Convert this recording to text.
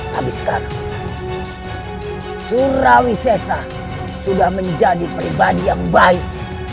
tapi sekarang surawi sesah sudah menjadi pribadi yang baik